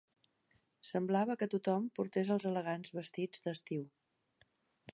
Semblava que tothom portés els elegants vestits d'estiu